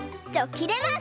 きれます！